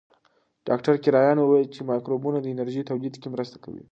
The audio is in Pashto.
ډاکټر کرایان وویل چې مایکروبونه د انرژۍ تولید کې مرسته کوي.